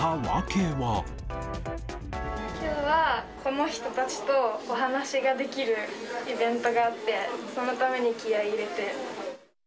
きょうはこの人たちとお話しができるイベントがあって、そのために気合い入れて。